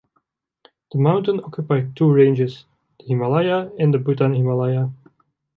The mountain occupies two ranges, the Himalaya and the Bhutan Himalaya.